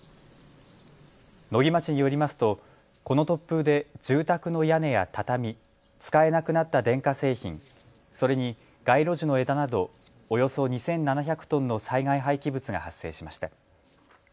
野木町によりますとこの突風で住宅の屋根や畳、使えなくなった電化製品、それに街路樹の枝などおよそ２７００トンの災害廃棄物が発生しました。